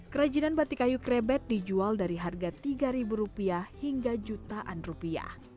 kerajinan batik kayu krebet dijual dari harga tiga ribu rupiah hingga jutaan rupiah